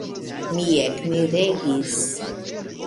Mi ekmiregis.